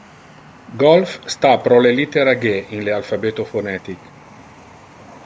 Golf sta pro le littera G in le alphabeto phonetic.